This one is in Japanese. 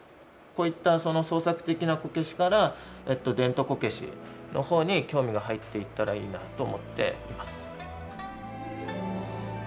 こういった創作的なこけしから伝統こけしの方に興味が入っていったらいいなと思っています。